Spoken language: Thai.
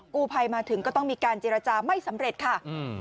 กู้ภัยมาถึงก็ต้องมีการเจรจาไม่สำเร็จค่ะอืม